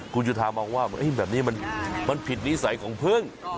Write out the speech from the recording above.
คุณจุธามองว่าแบบนี้มันผิดนิสัยของพึ่ง